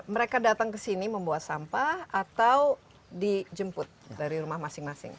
mereka datang ke sini membuat sampah atau dijemput dari rumah masing masing